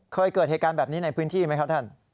เคยเกิดเหตุการณ์แบบนี้ในพื้นที่ไหมครับท่าน